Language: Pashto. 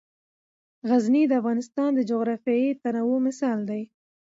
غزني د افغانستان د جغرافیوي تنوع مثال دی.